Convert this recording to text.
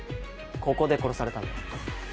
ここで殺されたんだよ。